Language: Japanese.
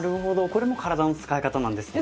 これも体の使い方なんですね。